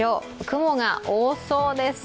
雲が多そうです。